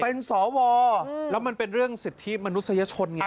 เป็นสวแล้วมันเป็นเรื่องสิทธิมนุษยชนไง